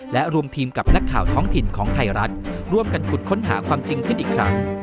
และรวมทีมกับนักข่าวท้องถิ่นของไทยรัฐร่วมกันขุดค้นหาความจริงขึ้นอีกครั้ง